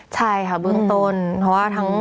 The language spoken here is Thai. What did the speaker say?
ใช่ค่ะเบื้องต้นเพราะว่าทั้ง